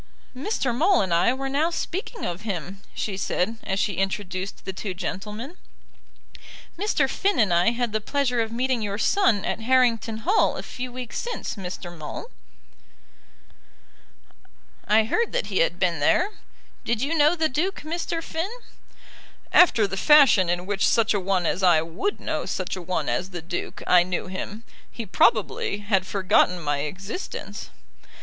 "Mr. Maule and I were now speaking of him," she said, as she introduced the two gentlemen. "Mr. Finn and I had the pleasure of meeting your son at Harrington Hall a few weeks since, Mr. Maule." "I heard that he had been there. Did you know the Duke, Mr. Finn?" "After the fashion in which such a one as I would know such a one as the Duke, I knew him. He probably had forgotten my existence."